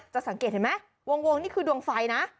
สังเกตเห็นไหมวงนี่คือดวงไฟนะ